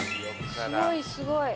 すごいすごい。